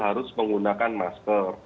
harus menggunakan masker